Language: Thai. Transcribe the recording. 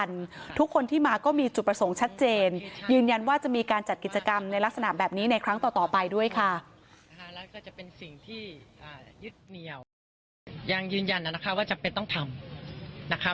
ยังยืนยันว่าจำเป็นต้องทำ